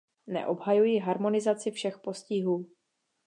Neobhajuji harmonizaci všech postihů.